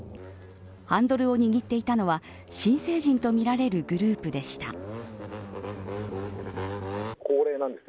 ハンドルを握っていたのは新成人とみられるグループでした。